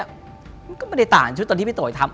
มันก็ไม่ได้ต่างชุดตอนที่พี่โต๋ยทำ